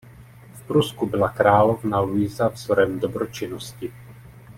V Prusku byla královna Luisa vzorem dobročinnosti.